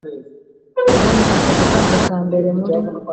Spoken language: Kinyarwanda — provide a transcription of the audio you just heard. kubona akazi kazo ka mbere muri